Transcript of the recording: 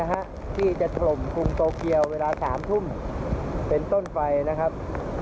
ตอนนี้ยังมีรอบขึ้นอยู่นะครับ